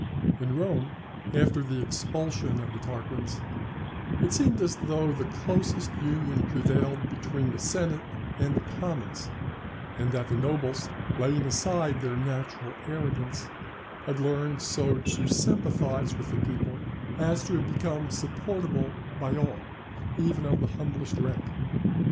In Rome, after the expulsion of the Tarquins, it seemed as though the closest union prevailed between the senate and the commons, and that the nobles, laying aside their natural arrogance, had learned so to sympathize with the people as to have become supportable by all, even of the humblest rank.